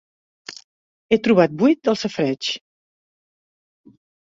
He trobat buit el safareig.